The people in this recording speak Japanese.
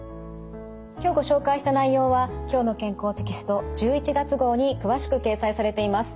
今日ご紹介した内容は「きょうの健康」テキスト１１月号に詳しく掲載されています。